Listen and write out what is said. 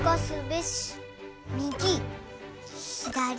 みぎひだり。